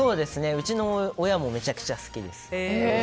うちの親もめちゃくちゃ好きです。